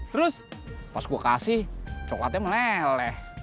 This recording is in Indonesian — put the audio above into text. terus pas gue kasih coklatnya meleleh